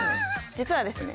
実はですね。